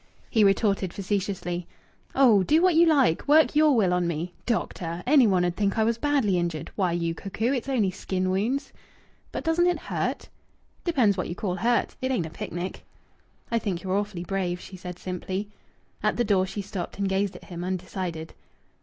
He retorted facetiously: "Oh! Do what you like! Work your will on me.... Doctor! Any one 'ud think I was badly injured. Why, you cuckoo, it's only skin wounds!" "But doesn't it hurt?" "Depends what you call hurt. It ain't a picnic." "I think you're awfully brave," she said simply. At the door she stopped and gazed at him, undecided.